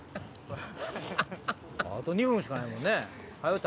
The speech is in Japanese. あと２分しかないもんね。